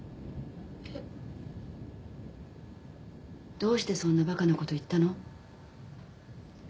えっ？どうしてそんなバカなこと言ったの？